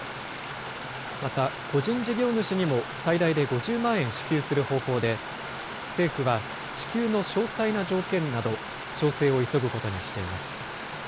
また、個人事業主にも最大で５０万円支給する方向で、政府は、支給の詳細な条件など、調整を急ぐことにしています。